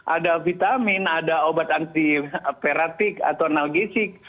ada vitamin ada obat anti peratik atau analgesik